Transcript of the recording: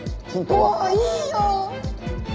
もういいよ！